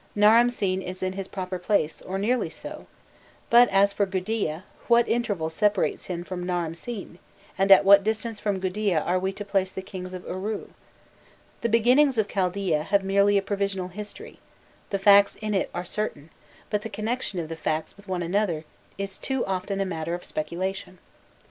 Naramsin is in his proper place, or nearly so; but as for Gudea, what interval separates him from Naramsin, and at what distance from Gudea are we to place the kings of Uru? The beginnings of Chaldaea have merely a provisional history: the facts in it are certain, but the connection of the facts with one another is too often a matter of speculation.